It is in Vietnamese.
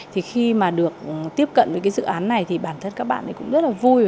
thì khi mà được tiếp cận với cái dự án này thì bản thân các bạn ấy cũng rất là vui